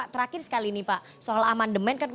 terakhir sekali nih pak soal aman demand